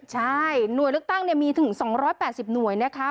ใช่หน่วยเลือกตั้งมีถึง๒๘๐หน่วยนะคะ